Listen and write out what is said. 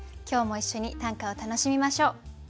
今日も一緒に短歌を楽しみましょう。